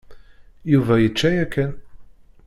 Yuba yečča yakan.